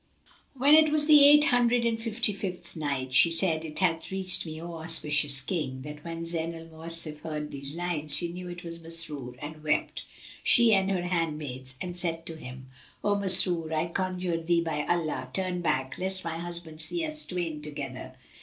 When it was the Eight Hundred and Fifty fifth Night, She said, It hath reached me, O auspicious King, that when Zayn al Mawasif heard these lines she knew that it was Masrur and wept, she and her handmaids, and said to him, "O Masrur, I conjure thee by Allah, turn back, lest my husband see us twain together!"